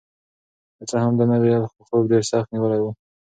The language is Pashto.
که څه هم ده نه وویل خو خوب ډېر سخت نیولی و.